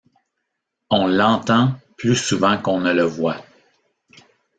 On l'entend plus souvent qu'on ne le voit.